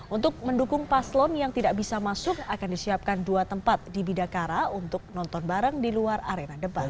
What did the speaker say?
untuk mendukung paslon yang tidak bisa masuk akan disiapkan dua tempat di bidakara untuk nonton bareng di luar arena debat